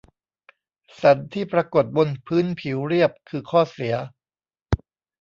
สันที่ปรากฏบนพื้นผิวเรียบ คือ ข้อเสีย